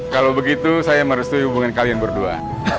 kalau begitu saya merestui hubungan kalian berdua